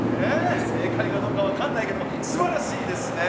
正解かどうか分かんないけどもすばらしいですね！